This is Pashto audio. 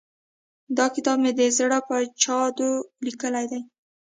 دا کتاب مې د زړه په چاود ليکلی دی.